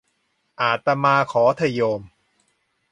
อาตมาขอเถอะโยม